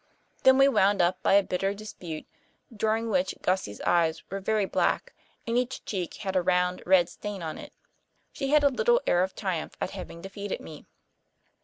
Then we wound up by a bitter dispute, during which Gussie's eyes were very black and each cheek had a round, red stain on it. She had a little air of triumph at having defeated me.